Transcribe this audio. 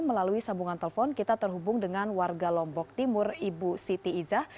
melalui sambungan telepon kita terhubung dengan warga lombok timur ibu siti iza